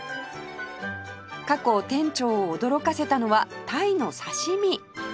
過去店長を驚かせたのは鯛の刺し身